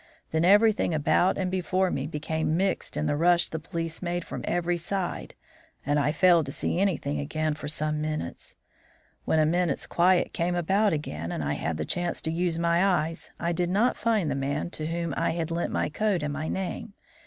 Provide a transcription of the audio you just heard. Then everything about and before me became mixed in the rush the police made from every side, and I failed to see anything again for some minutes. When a minute's quiet came about again, and I had the chance to use my eyes, I did not find the man to whom I had lent my coat and my name.